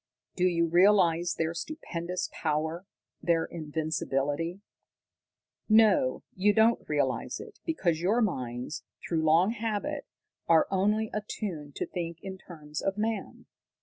Do you realize their stupendous power, their invincibility? "No, you don't realize it, because your minds, through long habit, are only attuned to think in terms of man.